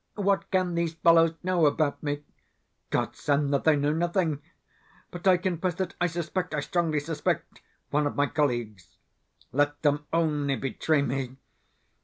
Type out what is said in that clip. What can these fellows know about me? God send that they know nothing! But I confess that I suspect, I strongly suspect, one of my colleagues. Let them only betray me!